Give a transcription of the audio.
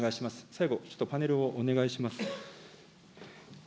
最後、ちょっとパネルをお願いします。